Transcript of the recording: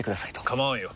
構わんよ。